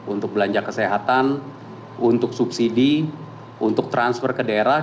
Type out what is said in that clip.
untuk belanja kesehatan untuk subsidi untuk transfer ke daerah